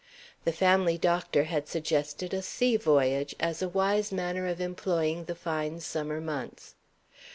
The family doctor had suggested a sea voyage, as a wise manner of employing the fine summer months.